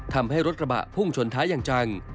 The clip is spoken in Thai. ทำให้รถกระบะพุ่งชนท้ายอย่างจัง